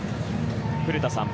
古田さん